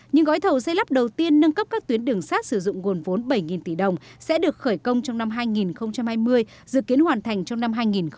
những gói thầu xây lắp đầu tiên nâng cấp các tuyến đường sát sử dụng nguồn vốn bảy tỷ đồng sẽ được khởi công trong năm hai nghìn hai mươi dự kiến hoàn thành trong năm hai nghìn hai mươi một